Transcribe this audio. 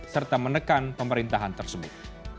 serta menekan pemerintahan tersebut